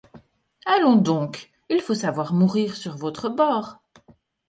Allons donc ! il faut savoir mourir sur votre bord.